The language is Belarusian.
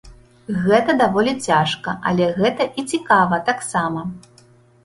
Гэта даволі цяжка, але гэта і цікава таксама.